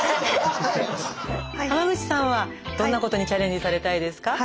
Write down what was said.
浜口さんはどんなことにチャレンジされたいですか？